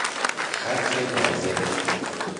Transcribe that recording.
خط ناظم